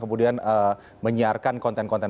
kemudian menyiarkan konten konten